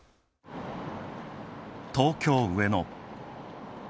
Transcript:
東京・上野。